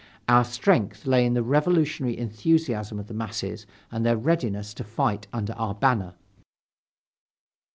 Our strength lay in the revolutionary enthusiasm of the masses and their readiness to fight under our banner.